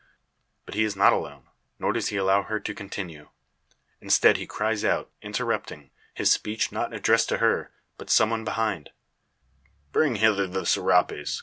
But he is not alone, nor does he allow her to continue. Instead, he cries out, interrupting, his speech not addressed to her, but some one behind: "Bring hither the serapes!